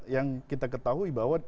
yang kita ketahui bahwa